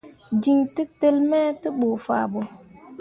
Jin tǝtǝlli me tevbu fah ɓo.